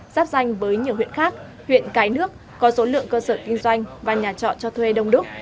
giáp danh với nhiều huyện khác huyện cái nước có số lượng cơ sở kinh doanh và nhà trọ cho thuê đông đúc